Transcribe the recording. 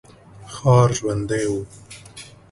ښار ژوندی و.